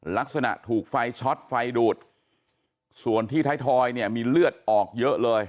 ลักษณะถูกไฟช็อตไฟดูดส่วนที่ท้ายทอยเนี่ยมีเลือดออกเยอะเลย